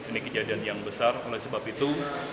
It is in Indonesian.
ini kejadian yang besar oleh sebab itu